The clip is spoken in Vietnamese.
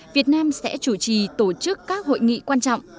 việt nam sẽ chủ trì tổ chức các hội nghị quan trọng